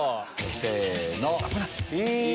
せの！